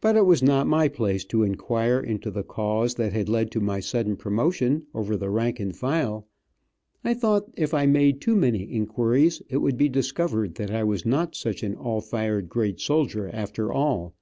But it was not my place to inquire into the cause that had led to my sudden promotion over the rank and file. I thought if I made too many inquiries it would be discovered that I was not such an all fired great soldier after all.